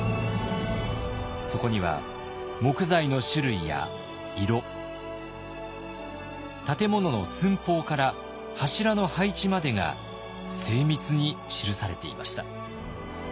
そこには木材の種類や色建物の寸法から柱の配置までが精密に記されていました。